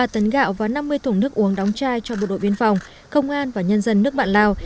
ba tấn gạo và năm mươi thùng nước uống đóng chai cho bộ đội biên phòng công an và nhân dân nước bạn lào